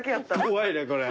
怖いなこれ。